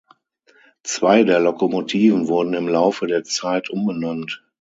Zwei der Lokomotiven wurden im Laufe der Zeit umbenannt.